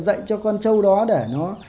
dạy cho con trâu đó để nó